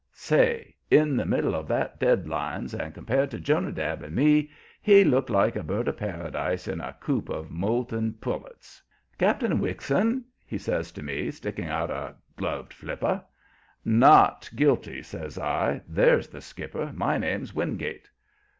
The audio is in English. Say! in the middle of that deadliness and compared to Jonadab and me, he looked like a bird of Paradise in a coop of moulting pullets. "Cap'n Wixon?" he says to me, sticking out a gloved flipper. "Not guilty," says I. "There's the skipper. My name's Wingate."